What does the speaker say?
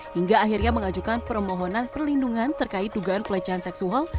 hingga akhirnya mengajukan permohonan perlindungan terkait dugaan pelecehan seksual